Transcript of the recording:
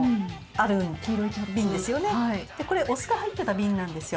でこれお酢が入ってた瓶なんですよ。